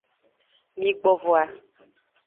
Migbo voa.